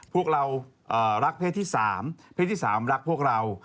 พวกเรารักเพศที่๓เพศที่๓รักพวกเรา